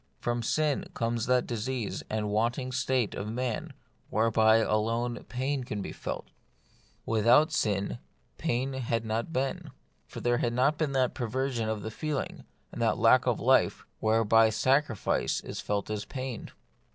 From sin comes that diseased and wanting state of man whereby alone pain can be felt. With 80 The Mystery of Pain out sin pain had not been ; for there had not been that perversion of feeling, and lack of life, whereby sacrifice is felt as pain.